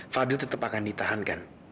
fadhil tetap akan ditahankan